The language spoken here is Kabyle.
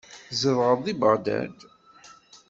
Tzedɣeḍ deg Beɣdad?